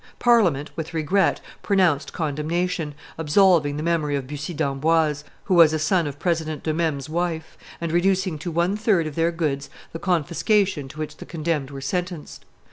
Parliament, with regret, pronounced condemnation, absolving the memory of Bussy d'Amboise, who was a son of President De Mesmes's wife, and reducing to one third of their goods the confiscation to which the condemned were sentenced.